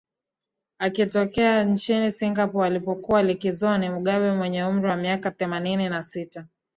akitokea nchini singapore alipokuwa likizoni mugabe mwenye umri wa miaka themanini na sita